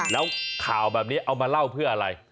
แล้วข่าวแบบนี้เอามาเล่าเพื่ออะไร